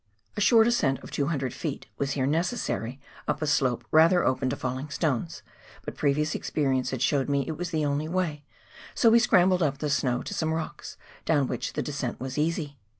A short ascent of 200 ft. was here necessary up a slope rather open to falling stones, but previous experience had showed me it was the only way, so we scrambled up the snow to some rocks, down which the descent was easy.